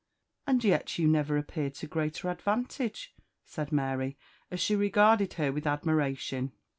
"And yet you never appeared to greater advantage," said Mary, as she regarded her with admiration.